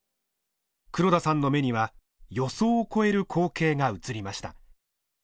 黒田さんの目には予想を超える光景が映りました。